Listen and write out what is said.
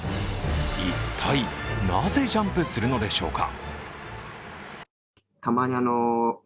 一体なぜジャンプするのでしょうか。